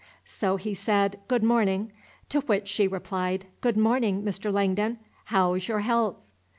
So he said, "Good morning"; to which she replied, "Good mornin', Mr. Langdon. Haow's your haalth?"